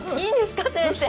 いいんですか？